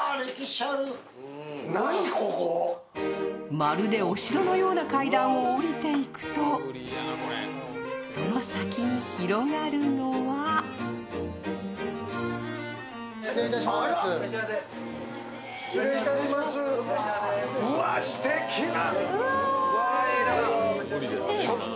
まるでお城のような階段を下りていくとその先に広がるのはうわっ、すてきな。